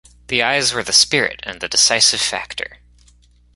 The eyes were the spirit and the decisive factor.